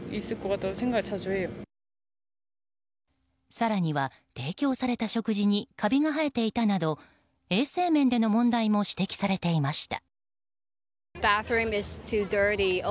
更には、提供された食事にカビが生えていたなど衛生面での問題も指摘されていました。